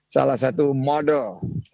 salah satu model